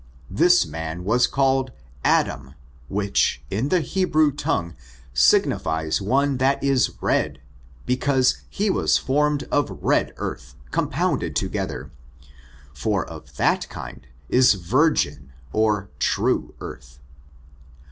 This man was called Adam, which, in the Hebrew tongue, sig nifies one that is rcrf, because he was formed of red earthy compounded together, for of that kind is vir gin or true earth.